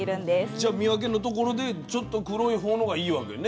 じゃ見分けのところでちょっと黒い方のがいいわけね。